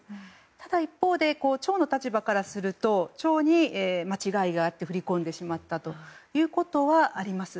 ただ一方で町の立場からすると町に間違いがあって振り込んでしまったということはあります。